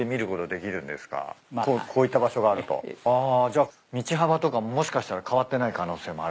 じゃあ道幅とかもしかしたら変わってない可能性もあるしね。